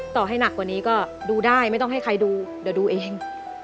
ต่อให้หนักกว่านี้ก็ดูได้ไม่ต้องให้ใครดูเดี๋ยวดูเอง